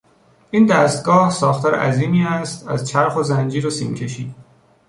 این دستگاه ساختار عظیمی است از چرخ و زنجیر و سیم کشی